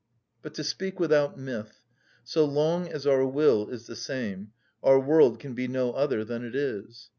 But to speak without myth: so long as our will is the same, our world can be no other than it is.